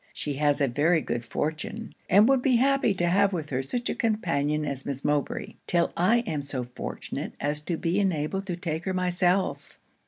She has a very good fortune; and would be happy to have with her such a companion as Miss Mowbray, 'till I am so fortunate as to be enabled to take her myself.